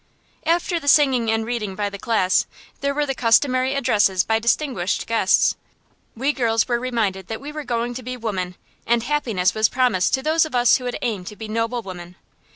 After the singing and reading by the class, there were the customary addresses by distinguished guests. We girls were reminded that we were going to be women, and happiness was promised to those of us who would aim to be noble women.